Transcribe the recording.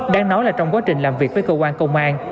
đang nói là trong quá trình làm việc với cơ quan công an